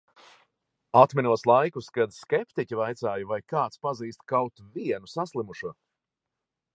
Atminos laikus, kad skeptiķi vaicāja, vai kāds pazīst kaut vienu saslimušo.